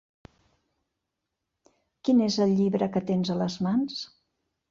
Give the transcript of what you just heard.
Quin és el llibre que tens a les mans?